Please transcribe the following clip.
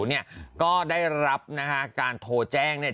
เนี่ยก็ได้รับนะฮะการโทรแจ้งเนี่ย